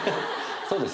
そうです